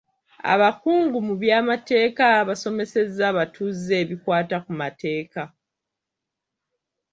Abakungu mu by'amateeka baasomesezza abatuuze ebikwata ku mateeka.